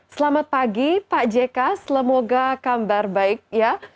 selamat pagi pak jk selamoga kambar baik ya